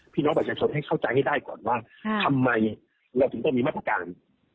พี่น้องประชาชนให้เข้าใจให้ได้ก่อนว่าทำไมเราถึงต้องมีมาตรการ